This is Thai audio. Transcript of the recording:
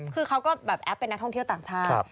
คือเขาก็แบบแอปเป็นนักท่องเที่ยวต่างชาติ